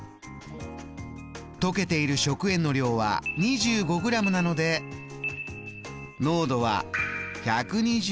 溶けている食塩の量は２５ｇなので濃度は。